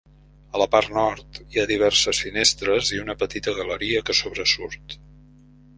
A la part Nord hi ha diverses finestres i una petita galeria que sobresurt.